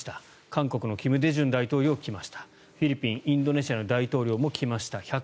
韓国の金大中大統領、来ましたフィリピン、インドネシアの大統領も来ました。